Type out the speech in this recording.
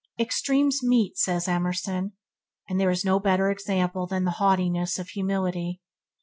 "Extremes meet" says Emerson "and there is no better example than the haughtiness of humility.